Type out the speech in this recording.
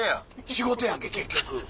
「仕事やんけ結局。